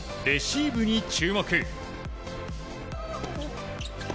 レシーブに注目。